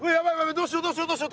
どうしようどうしようどうしよう！